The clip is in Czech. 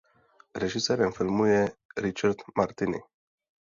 Režisérem filmu je Richard Martini.